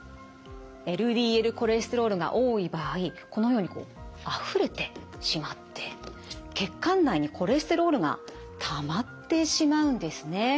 ＬＤＬコレステロールが多い場合このようにあふれてしまって血管内にコレステロールがたまってしまうんですね。